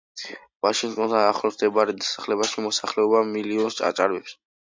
ვაშინგტონთან ახლოს მდებარე დასახლებაში, მოსახლეობა მილიონს აჭარბებს.